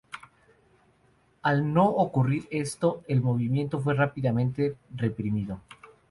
Al no ocurrir esto, el movimiento fue rápidamente reprimido.